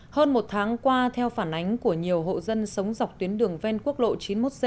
hơn một tháng qua theo phản ánh của nhiều hộ dân sống dọc tuyến đường ven quốc lộ chín mươi một c